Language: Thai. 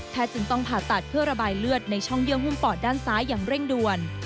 จึงต้องผ่าตัดเพื่อระบายเลือดในช่องเยื่อหุ้มปอดด้านซ้ายอย่างเร่งด่วน